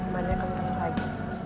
bannya kempes lagi